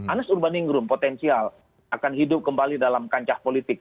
anas urbaningrum potensial akan hidup kembali dalam kancah politik